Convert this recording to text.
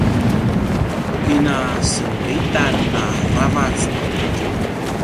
ku kina senglitan aravac timadju